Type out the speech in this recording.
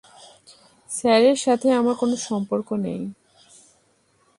Sir এর সাথে আমার কোনও সম্পর্ক নেই।